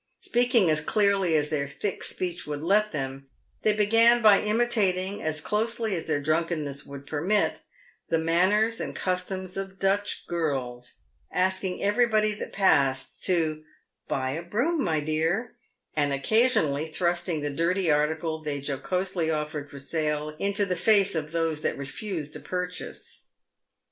Speaking as clearly as their thick speech would let them, they began by imitating, as closely as their drunkenness would permit, the manners and cus toms of Dutch girls, asking everybody that passed to " buy a broom, my dear," and occasionally thrusting the dirty article they jocosely offered for sale into the face of those that refused to purchase.